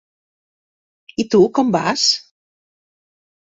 I tu com vas?